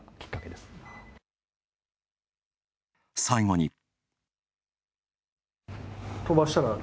最後に。